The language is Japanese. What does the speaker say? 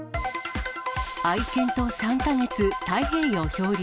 愛犬と３か月、太平洋漂流。